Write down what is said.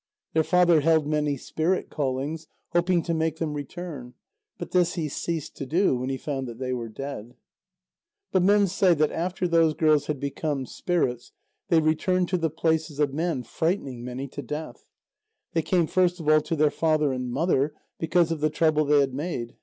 Their father held many spirit callings, hoping to make them return. But this he ceased to do when he found that they were dead. But men say that after those girls had become spirits, they returned to the places of men, frightening many to death. They came first of all to their father and mother, because of the trouble they had made.